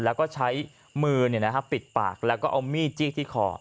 แล้วก็ใช้มือปิดปากแล้วก็เอามีดจี้ที่คอ